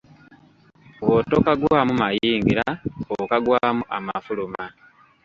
Bw'otokagwamu mayingira okagwamu amafuluma.